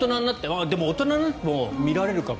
大人になっても見られるかも。